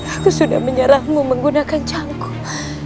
aku sudah menyerahmu menggunakan cangkuk